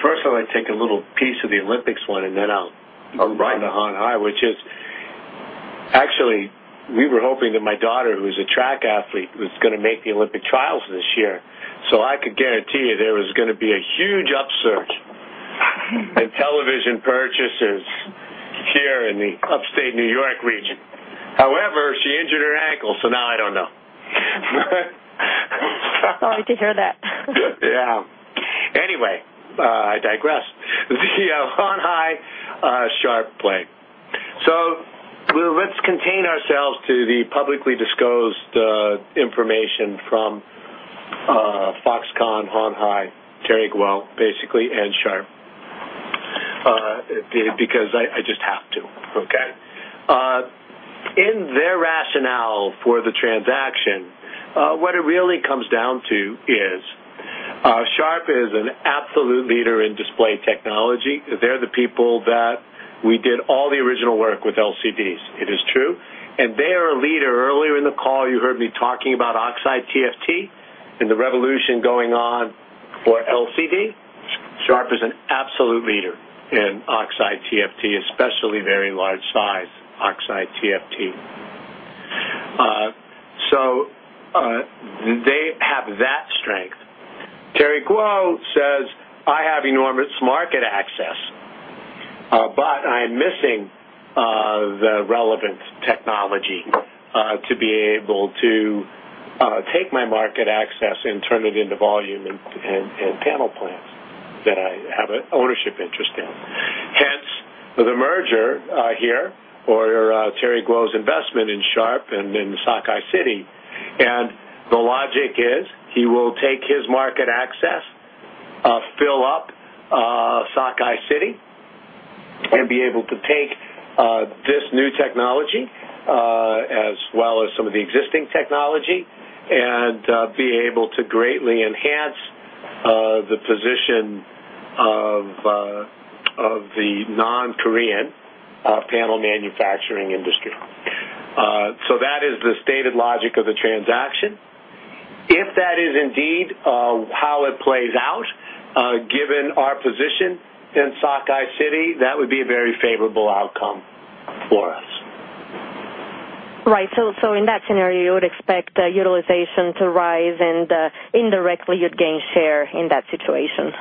First, I'd like to take a little piece of the Olympics one, and then I'll move on to Hon Hai, which is actually, we were hoping that my daughter, who is a track athlete, was going to make the Olympic trials this year. I could guarantee you there was going to be a huge upsurge in television purchases here in the upstate New York region. However, she injured her ankle, so now I don't know. Sorry to hear that. Yeah. Anyway, I digress. The Hon Hai-Sharp play. Let's contain ourselves to the publicly disclosed information from Foxconn, Hon Hai, Terry Gou, basically, and Sharp because I just have to, okay? In their rationale for the transaction, what it really comes down to is Sharp is an absolute leader in display technology. They're the people that we did all the original work with LCDs. It is true. They are a leader. Earlier in the call, you heard me talking about Oxide TFT and the revolution going on for LCD. Sharp is an absolute leader in Oxide TFT, especially very large-size Oxide TFT. They have that strength. Terry Gou says, "I have enormous market access, but I am missing the relevant technology to be able to take my market access and turn it into volume and panel plants that I have an ownership interest in." Hence the merger here or Terry Gou's investment in Sharp and in the Sakai City. The logic is he will take his market access, fill up Sakai City, and be able to take this new technology as well as some of the existing technology and be able to greatly enhance the position of the non-Korean panel manufacturing industry. That is the stated logic of the transaction. If that is indeed how it plays out, given our position in Sakai City, that would be a very favorable outcome for us. Right. In that scenario, you would expect the utilization to rise, and indirectly, you'd gain share in that situation.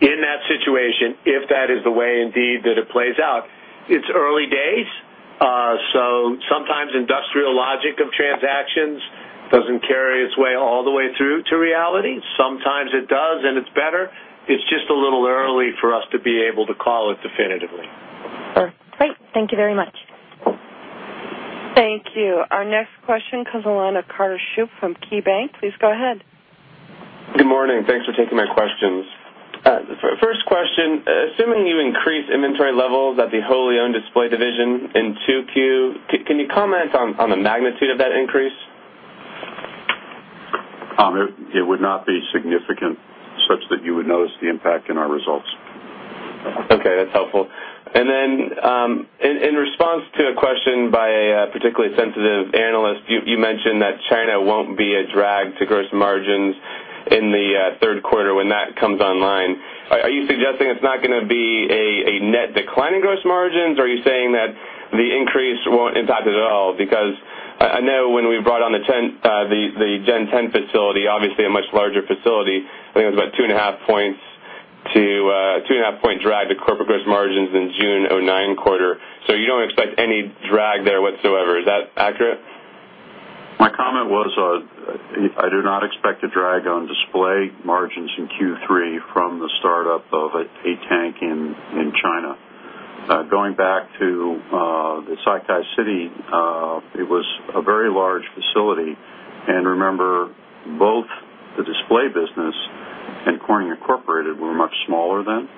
In that situation, if that is the way indeed that it plays out, it's early days. Sometimes industrial logic of transactions doesn't carry its way all the way through to reality. Sometimes it does, and it's better. It's just a little early for us to be able to call it definitively. All right. Great. Thank you very much. Thank you. Our next question comes from the line of Carter Shoop from KeyBanc. Please go ahead. Good morning. Thanks for taking my questions. First question, assuming you increase inventory levels at the wholly owned display division in 2Q, can you comment on the magnitude of that increase? It would not be significant, such that you would notice the impact in our results. Okay. That's helpful. In response to a question by a particularly sensitive analyst, you mentioned that China won't be a drag to gross margins in the third quarter when that comes online. Are you suggesting it's not going to be a net decline in gross margins, or are you saying that the increase won't impact it at all? I know when we brought on the Gen 10 facility, obviously a much larger facility, I think it was about 2.5 points to a 2.5 point drag to corporate gross margins in the June 2009 quarter. You don't expect any drag there whatsoever. Is that accurate? My comment was I do not expect a drag on display margins in Q3 from the startup of a tank in China. Going back to the Sakai City, it was a very large facility. Remember, both the display business and Corning Incorporated were much smaller then.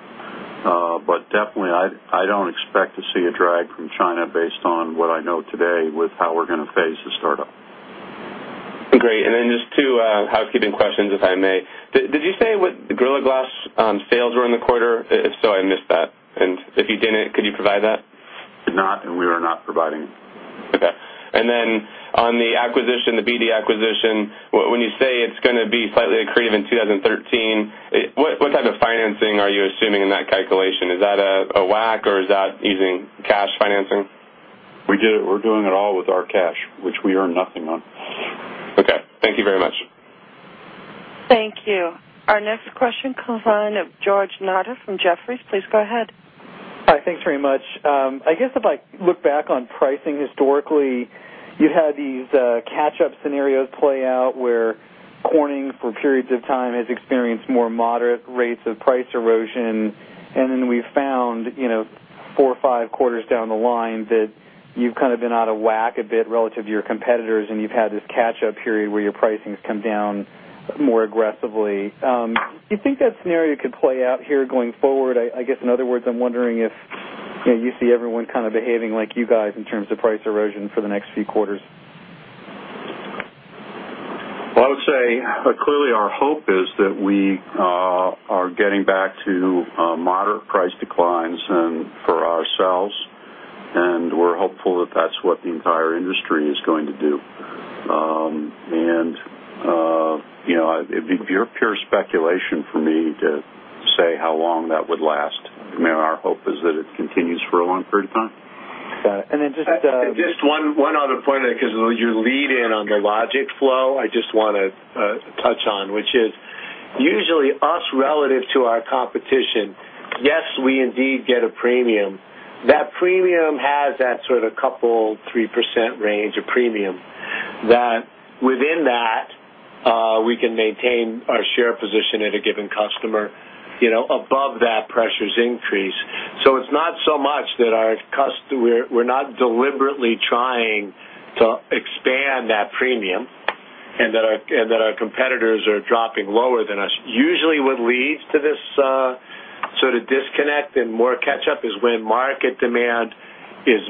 I don't expect to see a drag from China based on what I know today with how we're going to phase the startup. Great. Just two housekeeping questions, if I may. Did you say what Gorilla Glass sales were in the quarter? If so, I missed that. If you didn't, could you provide that? I did not, and we are not providing. Okay. On the acquisition, the BD acquisition, when you say it's going to be slightly accretive in 2013, what type of financing are you assuming in that calculation? Is that a WACC, or is that using cash financing? We did it. We're doing it all with our cash, which we earn nothing on. Okay, thank you very much. Thank you. Our next question comes from the line of George Notter from Jefferies. Please go ahead. Hi. Thanks very much. I guess if I look back on pricing historically, you've had these catch-up scenarios play out where Corning for periods of time has experienced more moderate rates of price erosion. Then we've found, you know, four or five quarters down the line that you've kind of been out of WACC a bit relative to your competitors, and you've had this catch-up period where your pricing's come down more aggressively. Do you think that scenario could play out here going forward? In other words, I'm wondering if you see everyone kind of behaving like you guys in terms of price erosion for the next few quarters. Our hope is that we are getting back to moderate price declines for ourselves. We're hopeful that that's what the entire industry is going to do. It's pure speculation for me to say how long that would last. Our hope is that it continues for a long period of time. Got it. Just one other point because you're leading on the logic flow I just want to touch on, which is usually us relative to our competition. Yes, we indeed get a premium. That premium has that sort of coupled 3% range of premium that within that, we can maintain our share position at a given customer. You know, above that, pressures increase. It's not so much that our customers, we're not deliberately trying to expand that premium and that our competitors are dropping lower than us. Usually, what leads to this sort of disconnect and more catch-up is when market demand is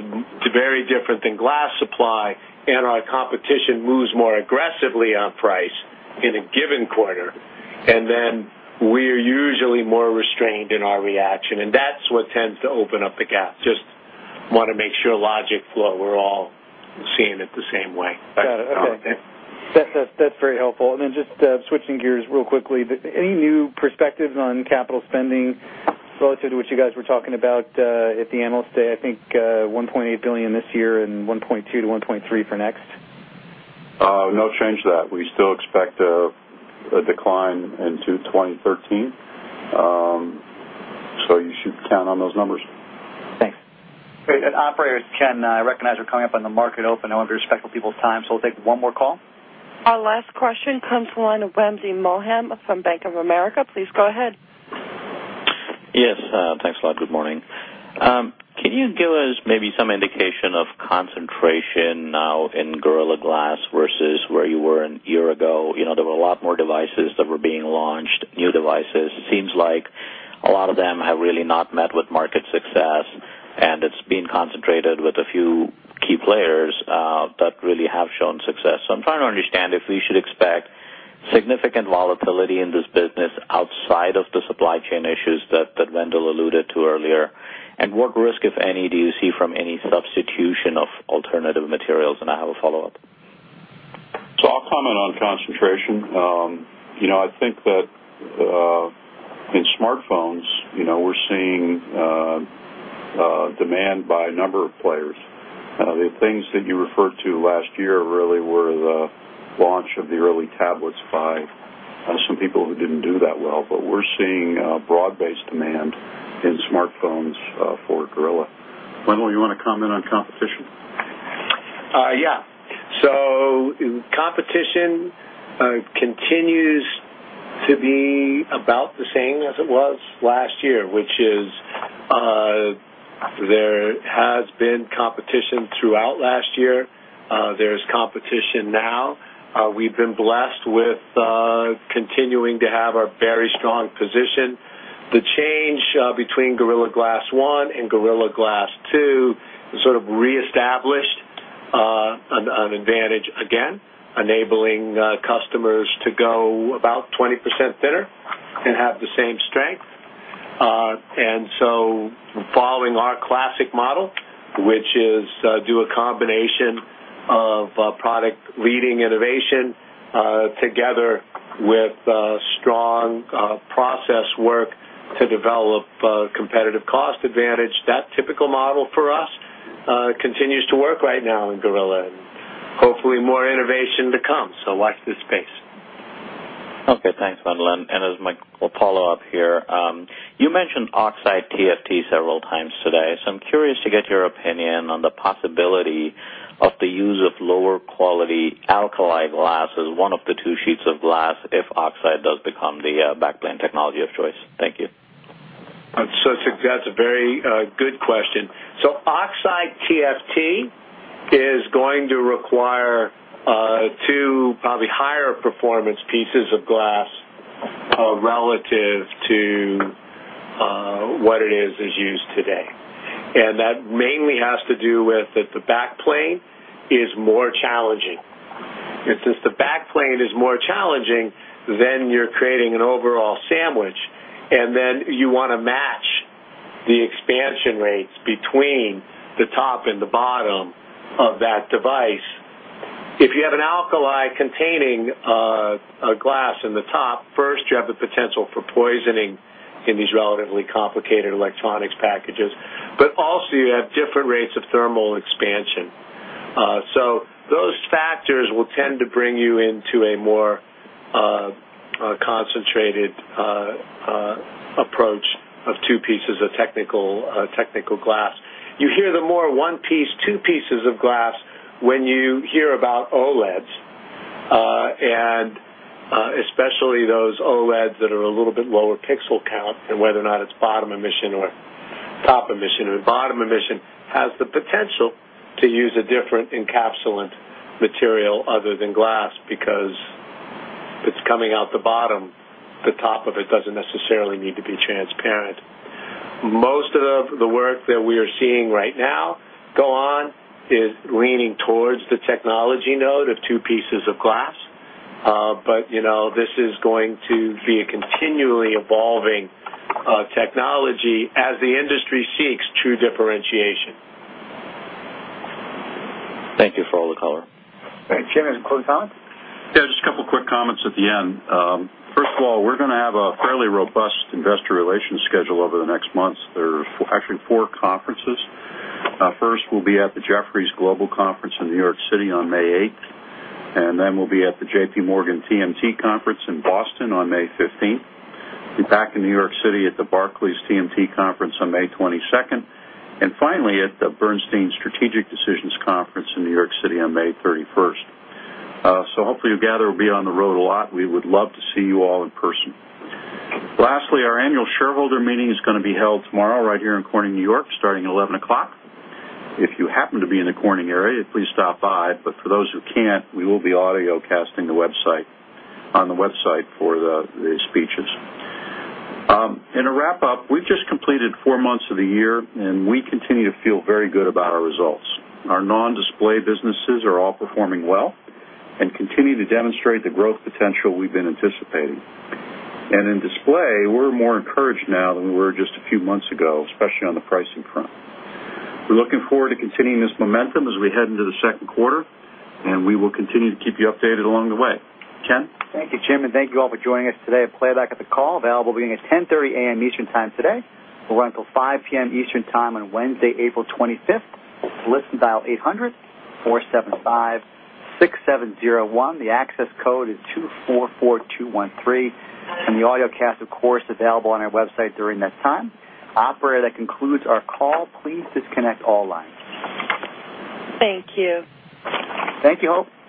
very different than glass supply and our competition moves more aggressively on price in a given quarter. We are usually more restrained in our reaction. That's what tends to open up the gap. Just want to make sure logic flow we're all seeing it the same way. Got it. That's very helpful. Switching gears real quickly, any new perspectives on capital spending relative to what you guys were talking about at the analysts day? I think $1.8 billion this year and $1.2 billion-$1.3 billion for next. I'll not change that. We still expect a decline in 2013. You should count on those numbers. Thanks. Great. Operators can recognize we're coming up on the market open. I want to be respectful of people's time, so we'll take one more call. Our last question comes from the line of Wamsi Mohan from Bank of America. Please go ahead. Yes. Thanks a lot. Good morning. Can you give us maybe some indication of concentration now in Gorilla Glass versus where you were a year ago? You know, there were a lot more devices that were being launched, new devices. It seems like a lot of them have really not met with market success. It's been concentrated with a few key players that really have shown success. I'm trying to understand if we should expect significant volatility in this business outside of the supply chain issues that Wendell alluded to earlier. What risk, if any, do you see from any substitution of alternative materials? I have a follow-up. I'll comment on concentration. I think that in smartphones, we're seeing demand by a number of players. The things that you referred to last year really were the launch of the early tablets by some people who didn't do that well. We're seeing broad-based demand in smartphones for Gorilla. Wendell, you want to comment on competition? Yeah. Competition continues to be about the same as it was last year, which is there has been competition throughout last year. There's competition now. We've been blessed with continuing to have a very strong position. The change between Gorilla Glass 1 and Gorilla Glass 2 has sort of reestablished an advantage again, enabling customers to go about 20% thinner and have the same strength. Following our classic model, which is do a combination of product leading innovation together with strong process work to develop a competitive cost advantage, that typical model for us continues to work right now in Gorilla. Hopefully, more innovation to come. Watch this space. Okay. Thanks, Wendell. As my follow-up here, you mentioned Oxide TFT several times today. I'm curious to get your opinion on the possibility of the use of lower quality alkali glass as one of the two sheets of glass if Oxide does become the backplane technology of choice. Thank you. That's a very good question. Oxide TFT is going to require two probably higher performance pieces of glass relative to what is used today. That mainly has to do with the backplane being more challenging. Since the backplane is more challenging, you're creating an overall sandwich, and you want to match the expansion rates between the top and the bottom of that device. If you have an alkali-containing glass in the top, first, you have the potential for poisoning in these relatively complicated electronics packages. Also, you have different rates of thermal expansion. Those factors will tend to bring you into a more concentrated approach of two pieces of technical glass. You hear the more one-piece, two-pieces of glass when you hear about OLEDs, especially those OLEDs that are a little bit lower pixel count and whether or not it's bottom emission or top emission. Bottom emission has the potential to use a different encapsulant material other than glass because it's coming out the bottom. The top of it doesn't necessarily need to be transparent. Most of the work that we are seeing right now go on is leaning towards the technology node of two pieces of glass. This is going to be a continually evolving technology as the industry seeks true differentiation. Thank you for all the color. All right. Jim has a closing comment. Yeah. Just a couple of quick comments at the end. First of all, we're going to have a fairly robust investor relations schedule over the next month. There are actually four conferences. First, we'll be at the Jefferies Global Conference in New York City on May 8th. We'll be at the JPMorgan TMT Conference in Boston on May 15th. We'll be back in New York City at the Barclays TMT Conference on May 22nd. Finally, at the Bernstein Strategic Decisions Conference in New York City on May 31st. Hopefully, you gather we'll be on the road a lot. We would love to see you all in person. Lastly, our annual shareholder meeting is going to be held tomorrow right here in Corning, New York, starting at 11:00 A.M. If you happen to be in the Corning area, please stop by. For those who can't, we will be audiocasting on the website for the speeches. To wrap up, we've just completed four months of the year, and we continue to feel very good about our results. Our non-display businesses are all performing well and continue to demonstrate the growth potential we've been anticipating. In display, we're more encouraged now than we were just a few months ago, especially on the pricing front. We're looking forward to continuing this momentum as we head into the second quarter, and we will continue to keep you updated along the way. Ken? Thank you, Jim. Thank you all for joining us today at Playback at the Call, available beginning at 10:30 A.M. Eastern time today. We'll run until 5:00 P.M. Eastern time on Wednesday, April 25, The listen dial is 800-475-6701. The access code is 244213. The audiocast, of course, is available on our website during that time. Operator, that concludes our call. Please disconnect all lines. Thank you. Thank you, Hope.